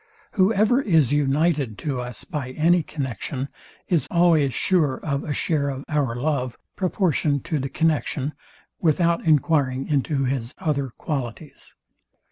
Whoever is united to us by any connexion is always sure of a share of our love, proportioned to the connexion, without enquiring into his other qualities.